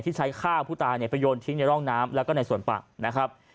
ที่ใช้ฆ่าผู้ตายไปยนต์ทิ้งในร่องน้ำแล้วก็ในส่วนปลา